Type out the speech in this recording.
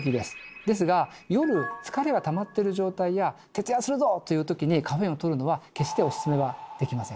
ですが夜疲れがたまってる状態や徹夜するぞっていうときにカフェインをとるのは決してお勧めはできません。